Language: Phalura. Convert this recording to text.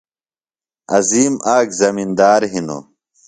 عظیم آک زمِندار ہِنوۡ۔